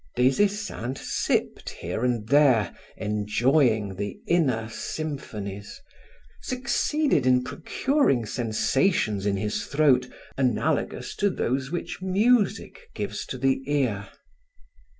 Des Esseintes sipped here and there, enjoying the inner symphonies, succeeded in procuring sensations in his throat analogous to those which music gives to the ear.